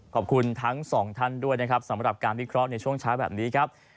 ขอบคุณทั้งสองท่านด้วยนะครับสำหรับการวิเคราะห์ในช่วงเช้าแบบนี้ครับ